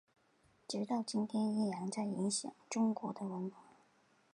直到今天依然在影响中国的文化。